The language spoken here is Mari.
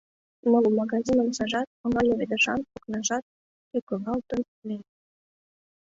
Но магазин омсажат, оҥа леведышан окнажат тӱкылалтын ыле.